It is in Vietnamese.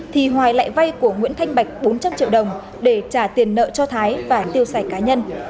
thì hoài lại vay của nguyễn thanh bạch bốn trăm linh triệu đồng để trả tiền nợ cho thái và tiêu xài cá nhân